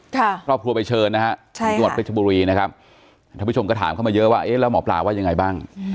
ครอบครัวไปเชิญนะครับถ้าผู้ชมก็ถามเข้ามาเยอะว่าแล้วหมอปลาว่ายังไงบ้าง